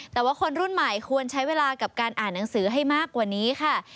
แต่ว่าคนรุ่นใหม่ควรใช้เวลากับการอ่านหนังสือให้มากกว่านี้ค่ะ